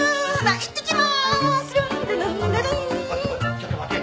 ちょっと待て。